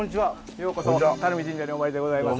ようこそ垂水神社にお参りでございます。